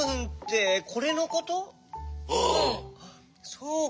そうか。